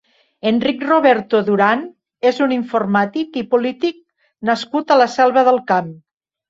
Enric Roberto Duran és un informàtic i polític nascut a la Selva del Camp.